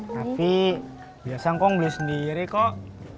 tapi biasa ngong beli sendiri kok